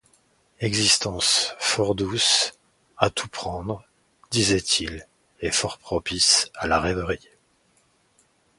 Existence fort douce, à tout prendre, disait-il, et fort propice à la rêverie.